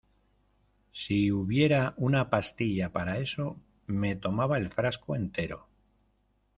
si hubiera una pastilla para eso, me tomaba el frasco entero.